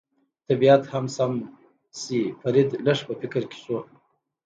طبیعت هم سم شي، فرید لږ په فکر کې شو.